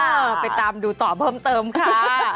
เออไปตามดูต่อเพิ่มเติมค่ะ